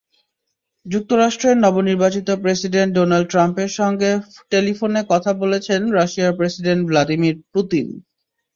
যুক্তরাষ্ট্রের নবনির্বাচিত president Donald ট্রাম্পের সঙ্গে টেলিফোনে কথা বলেছেন রাশিয়ার প্রেসিডেন্ট ভ্লাদিমির পুতিন।